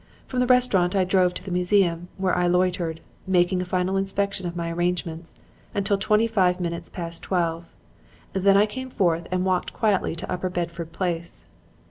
From the restaurant I drove to the museum, where I loitered, making a final inspection of my arrangements, until twenty five minutes past twelve. Then I came forth and walked quietly to Upper Bedford Place.